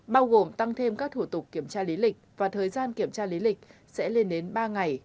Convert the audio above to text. bao gồm tăng thêm các thủ tục kiểm tra lý lịch và thời gian kiểm tra lý lịch sẽ lên đến ba ngày